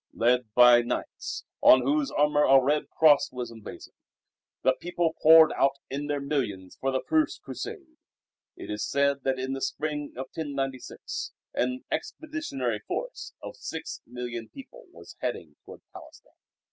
Led by knights, on whose armour a red Cross was emblazoned, the people poured out in their millions for the first Crusade. It is said that in the spring of 1096 an "expeditionary force" of six million people was heading toward Palestine.